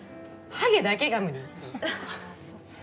ハゲだけが無理？